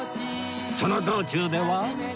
その道中では